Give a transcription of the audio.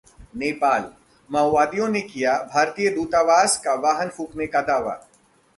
नेपाल: माओवादियों ने किया भारतीय दूतावास का वाहन फूंकने का दावा